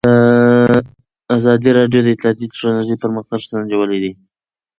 ازادي راډیو د اطلاعاتی تکنالوژي پرمختګ سنجولی.